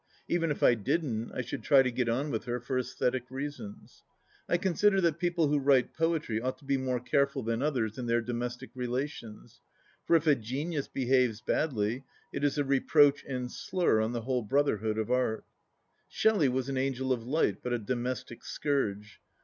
Even if I didn't I should try to get on with her for sesthetic reasons. I consider that people who write poetry ought to be more careful than others in their domestic relations, for if a genius behaves badly, it is a reproach and slur on the whole brotherhood of art. Shelley was an angel of light, but a domestic scourge.